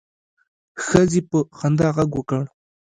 ښځې په خندا غږ وکړ.